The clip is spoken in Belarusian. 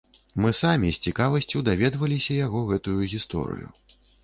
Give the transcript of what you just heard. Мы самі з цікавасцю даведваліся яго гэтую гісторыю.